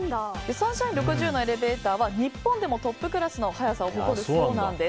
サンシャイン６０のエレベーターは日本でもトップクラスの速さを誇るそうなんです。